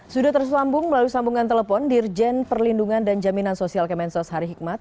sudah tersambung melalui sambungan telepon dirjen perlindungan dan jaminan sosial kemensos hari hikmat